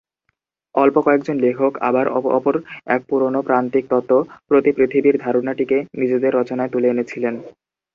অল্প কয়েকজন লেখক আবার অপর এক পুরনো প্রান্তিক তত্ত্ব প্রতি-পৃথিবীর ধারণাটিকে নিজেদের রচনায় তুলে এনেছিলেন।